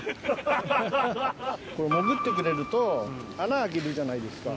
これ潜ってくれると穴開けるじゃないですか。